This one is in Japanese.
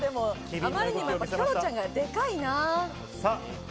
あまりにもキョロちゃんがデカいな。